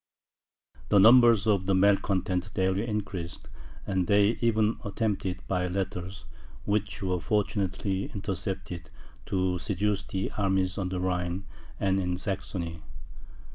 The number of the malcontents daily increased; and they even attempted by letters, (which were fortunately intercepted,) to seduce the armies on the Rhine and in Saxony.